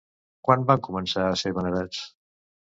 Quan van començar a ser venerats?